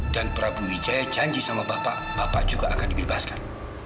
dan prabu wijaya janji sama bapak bapak juga akan dibebaskan